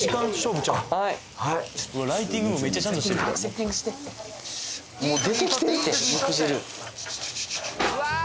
うわライティングもめっちゃちゃんとしてるうわー